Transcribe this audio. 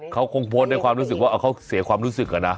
เขาคงโพสต์ด้วยความรู้สึกว่าเขาเสียความรู้สึกอะนะ